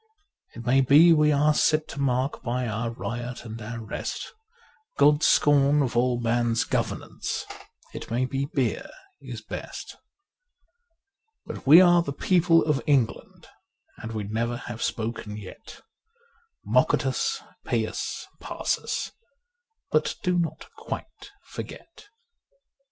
It may be we are set to mark by our riot and our rest God's scorn of all man's governance : it may be beer is best. But we are the people of England, and we nev6r have spoken yet. Mock at us, pay us, pass us ; but do not quite forget.